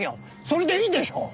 それでいいでしょう？